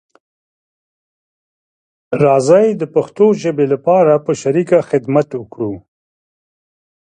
راځی د پښتو ژبې لپاره په شریکه خدمت وکړو